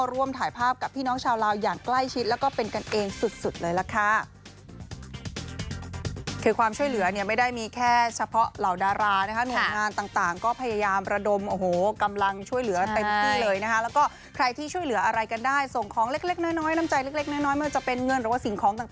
ร่วมถ่ายภาพกับพี่น้องชาวลาวอย่างใกล้ชิดแล้วก็เป็นกันเองสุดสุดเลยล่ะค่ะคือความช่วยเหลือเนี่ยไม่ได้มีแค่เฉพาะเหล่าดารานะฮะหนวดงานต่างต่างก็พยายามระดมโอ้โหกำลังช่วยเหลือเต็มที่เลยนะฮะแล้วก็ใครที่ช่วยเหลืออะไรกันได้ส่งของเล็กเล็กน้อยน้อยน้ำใจเล็กเล็กน้อยน้อยเมื่อจะเป็นเงื่อน